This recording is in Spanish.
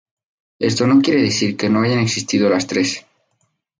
Esto no quiere decir que no hayan existido las tres.